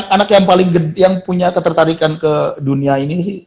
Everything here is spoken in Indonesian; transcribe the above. anak yang paling yang punya ketertarikan ke dunia ini sih